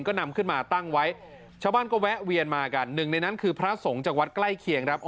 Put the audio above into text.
ก็นำขึ้นมาตั้งไว้ชาวบ้านก็แวะเวียนมากันหนึ่งในนั้นคือพระสงฆ์จากวัดใกล้เคียงครับ